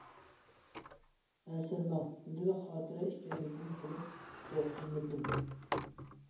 -ئەنسىرىمەڭ، كۈندىلىك خاتىرە ئىكەنلىكىنى بىلىپ ئوقۇمىدىم.